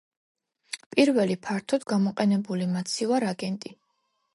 პირველი ფართოდ გამოყენებული მაცივარ აგენტი.